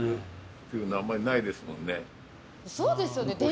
そうですよね